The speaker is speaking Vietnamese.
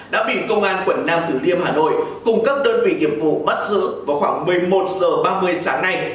đã bị công an quận nam thứ liêm hà nội cung cấp đơn vị nghiệp vụ bắt giữ vào khoảng một mươi một h ba mươi sáng nay